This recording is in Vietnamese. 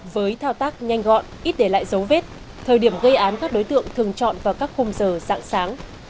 với thao tác nhanh gọn ít để lại dấu vết thời điểm gây án các đối tượng thường chọn vào các khung giờ dạng sáng